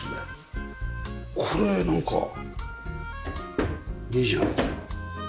これなんかいいじゃないですか。